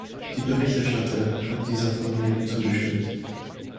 Die Berichterstatterin hat dieser Formulierung zugestimmt.